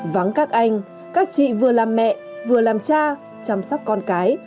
vắng các anh các chị vừa làm mẹ vừa làm cha chăm sóc con cái